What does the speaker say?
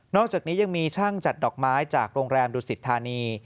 อกจากนี้ยังมีช่างจัดดอกไม้จากโรงแรมดุสิทธานี